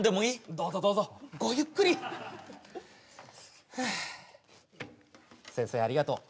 どうぞどうぞごゆっくりふう先生ありがと